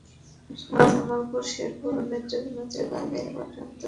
ময়মনসিংহ, জামালপুর, শেরপুর ও নেত্রকোণা জেলা এ-বোর্ডের অন্তর্ভুক্ত।